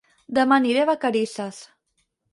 Dema aniré a Vacarisses